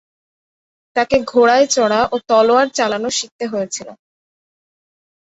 তাকে ঘোড়ায় চড়া ও তলোয়ার চালানো শিখতে হয়েছিল।